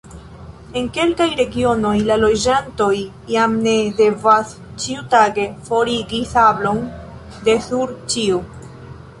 En kelkaj regionoj, la loĝantoj jam ne devas ĉiutage forigi sablon de sur ĉio.